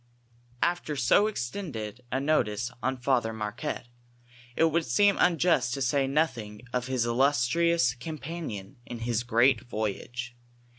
Aftkr 80 extended n notice on Fntlior Marquette, it would Beem luijiiet to say notliing of his illiistrions companion in liis great voyage.